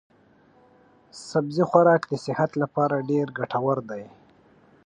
سبزي خوراک د صحت لپاره ډېر ګټور دی.